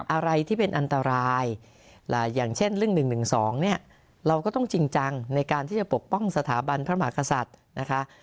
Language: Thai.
อะไรที่เป็นอันตรายอย่างเช่นเรื่อง๑๑๒เนี่ยเราก็ต้องจริงจังในการที่จะปกป้องสถาบันพระมหากษัตริย์นะคะ